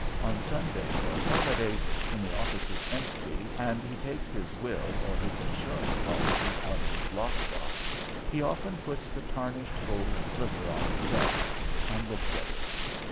On Sundays or holidays, when the office is empty, and he takes his will or his insurance policies out of his lock box, he often puts the tarnished gold slipper on his desk and looks at it.